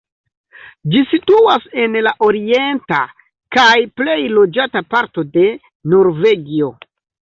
Ĝi situas en la orienta kaj plej loĝata parto de Norvegio.